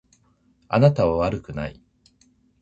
あなたは悪くない。